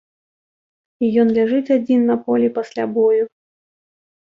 І ён ляжыць адзін на полі пасля бою.